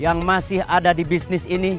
yang masih ada di bisnis ini